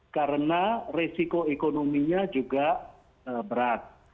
karena resiko ekonominya juga berat